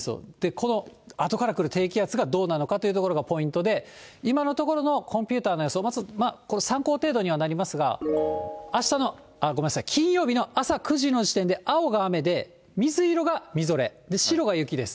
このあとから来る低気圧がどうなのかということがポイントで、今のところのコンピューターの予想、これ、参考程度にはなりますが、あしたの、あっ、ごめんなさい、金曜日の朝９時の時点で、青が雨で、水色がみぞれ、白が雪です。